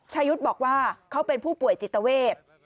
ชายุทธ์บอกว่าเขาเป็นผู้ป่วยจิตเวท